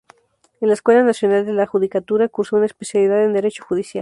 En la Escuela Nacional de la Judicatura, cursó una especialidad en Derecho Judicial.